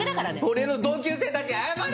俺の同級生たちに謝れ！